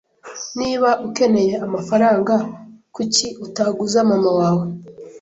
Niba ukeneye amafaranga, kuki utaguza mama wawe?